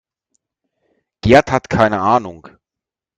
Gerd hat keine Ahnung.